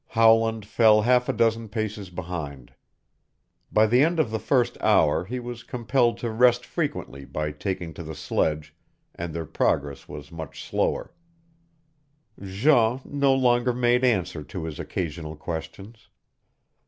Howland fell half a dozen paces behind. By the end of the first hour he was compelled to rest frequently by taking to the sledge, and their progress was much slower. Jean no longer made answer to his occasional questions.